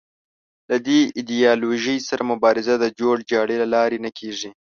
له دې ایدیالوژۍ سره مبارزه د جوړ جاړي له لارې نه کېږي